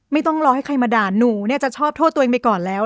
ไม่ต้องรอให้ใครมาด่าหนูเนี่ยจะชอบโทษตัวเองไปก่อนแล้ว